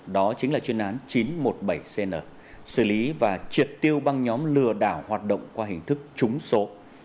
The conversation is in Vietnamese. đó chính là chuyên án chín trăm một mươi bảy cn xử lý và triệt tiêu băng nhóm lừa đảo hoạt động qua hình thức trúng số